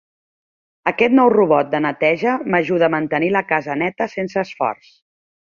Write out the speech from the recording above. Aquest nou robot de neteja m'ajuda a mantenir la casa neta sense esforç.